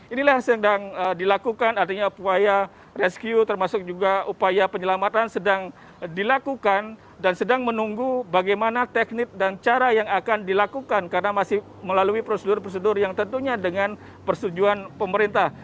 inilah yang sedang dilakukan artinya upaya rescue termasuk juga upaya penyelamatan sedang dilakukan dan sedang menunggu bagaimana teknik dan cara yang akan dilakukan karena masih melalui prosedur prosedur yang tentunya dengan persetujuan pemerintah